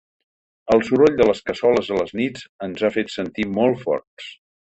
El soroll de les cassoles a les nits ens ha fet sentir molt forts.